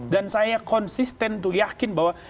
dan saya konsisten yakin bahwa